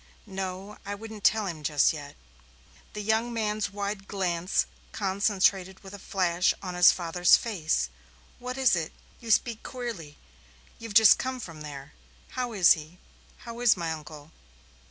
"No, I won't tell him just yet." The young man's wide glance concentrated with a flash on his father's face. "What is it? You speak queerly. You've just come from there. How is he how is my uncle?"